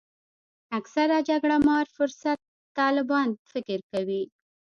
اکثره جګړه مار فرصت طلبان فکر کوي.